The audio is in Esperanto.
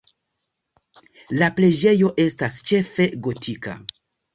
La preĝejo estas ĉefe gotika.